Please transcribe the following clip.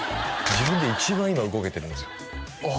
自分で一番今動けてるんですよああ